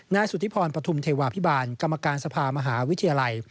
สุธิพรปฐุมเทวาพิบาลกรรมการสภามหาวิทยาลัย